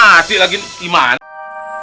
assalamualaikum warahmatullahi wabarakatuh